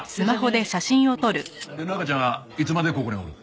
で中ちゃんはいつまでここにおるん？